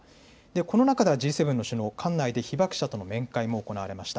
この中ではＧ７の首脳、館内で被爆者とも面会も行われました。